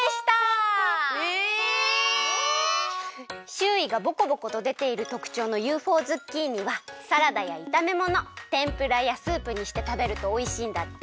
しゅういがぼこぼことでているとくちょうのＵＦＯズッキーニはサラダやいためものてんぷらやスープにしてたべるとおいしいんだって！